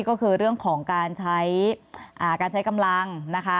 ก็คือเรื่องของการใช้การใช้กำลังนะคะ